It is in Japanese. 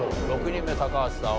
６人目高橋さん